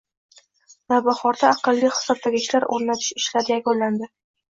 Navbahorda “aqlli” hisoblagichlar o‘rnatish ishlari yakunlanding